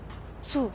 そう。